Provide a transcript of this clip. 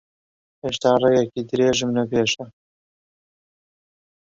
هێشتا ڕێیەکی درێژم لەپێشە.